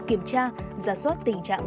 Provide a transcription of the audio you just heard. kiểm tra giả soát tình trạng